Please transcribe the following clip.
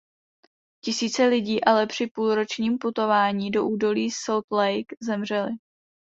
Tisíce lidí ale při půlročním putování do údolí Salt Lake zemřely.